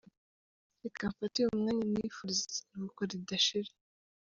Reka mfate uyu mwanya, mwifurize iruhuko ridashira.